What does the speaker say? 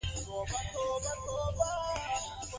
کیفیت او بیه باید متناسب وي.